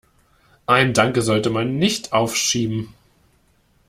Ein Danke sollte man nicht aufschieben.